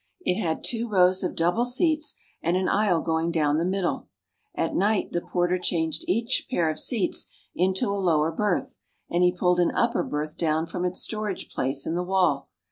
It had two rows of double seats and an aisle going down the middle. At night, the porter changed each pair of seats into a lower berth, and he pulled an upper berth down from its storage place in the wall.